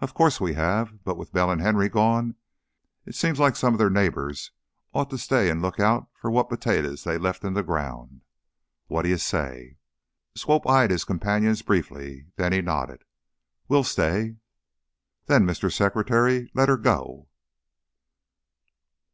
"Of course we have, but, with Bell an' Henry gone, it seems like some of their neighbors ought to stay an' look out for what potaters they've left in the ground. What d'you say?" Swope eyed his companions briefly, then he nodded. "We'll stay." "Then, Mr. Secretary, let her go!"